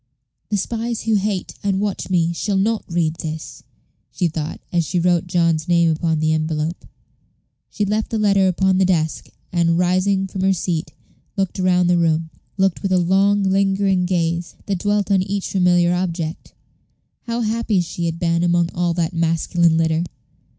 "The spies who hate and watch me shall not read this," she thought, as she wrote John's name upon the envelope. She left the letter upon the desk, and, rising from her seat, looked round the room looked with a long, lingering gaze, that dwelt on each familiar object. How happy she had been among all that masculine litter!